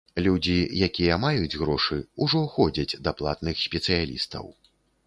Людзі, якія маюць грошы, ужо ходзяць да платных спецыялістаў.